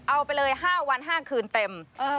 เอาไปเลย๕วัน๕คืนเต็ม